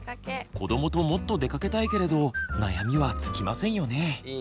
子どもともっと出かけたいけれど悩みは尽きませんよね。